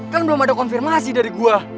kan belum ada konfirmasi dari gua